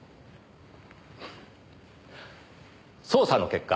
捜査の結果